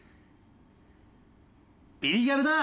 『ビリギャル』だ！